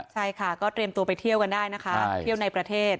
ใช่ค่ะก็เตรียมตัวไปเที่ยวกันได้นะคะเที่ยวในประเทศ